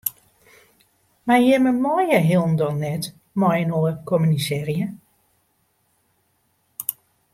Mar jimme meie hielendal net mei-inoar kommunisearje.